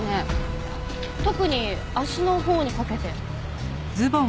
特に足のほうにかけて。